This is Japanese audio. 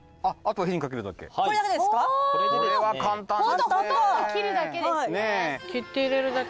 ホントほとんど切るだけですね